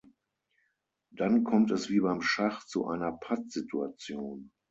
Dann kommt es wie beim Schach zu einer Pattsituation.